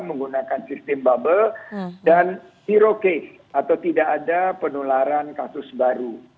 menggunakan sistem bubble dan zero case atau tidak ada penularan kasus baru